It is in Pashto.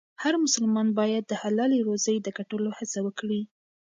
هر مسلمان باید د حلالې روزۍ د ګټلو هڅه وکړي.